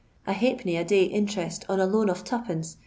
A halfpenny a day interest on a loan of 2c{.